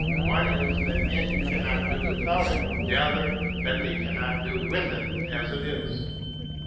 One is that men cannot do without it ; the other that they cannot do with it as it is.